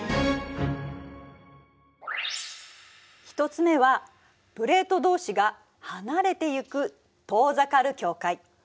１つ目はプレートどうしが離れていく「遠ざかる境界」。